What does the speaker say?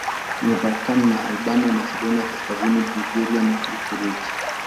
Imepakana na Albania, Masedonia Kaskazini, Bulgaria na Uturuki.